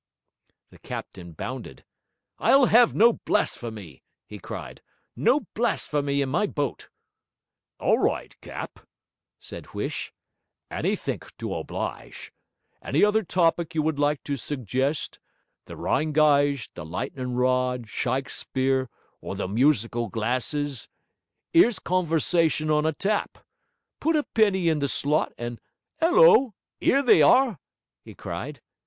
The captain bounded. 'I'll have no blasphemy!' he cried, 'no blasphemy in my boat.' 'All right, cap,' said Huish. 'Anythink to oblige. Any other topic you would like to sudgest, the rynegyge, the lightnin' rod, Shykespeare, or the musical glasses? 'Ere's conversation on a tap. Put a penny in the slot, and... 'ullo! 'ere they are!' he cried.